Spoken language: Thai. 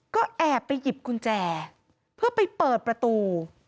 ก็แอบไปหยิบกุญแจเพื่อไปเปิดประตู